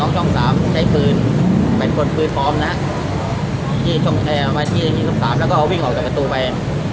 ช่อง๓ใช้ปืนมาที่ช่อง๓แล้วก็วิ่งออกจากประตูไป